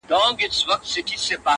• پر تندي يې شنه خالونه زما بدن خوري.